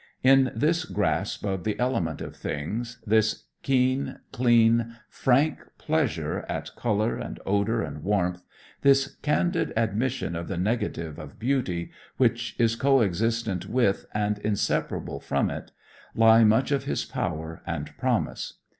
In this grasp of the element of things, this keen, clean, frank pleasure at color and odor and warmth, this candid admission of the negative of beauty, which is co existent with and inseparable from it, lie much of his power and promise.